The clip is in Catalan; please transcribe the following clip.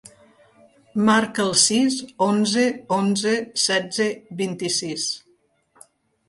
Marca el sis, onze, onze, setze, vint-i-sis.